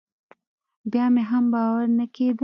بيا مې هم باور نه کېده.